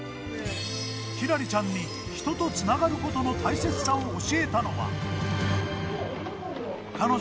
輝星ちゃんに人とつながることの大切さを教えたのは。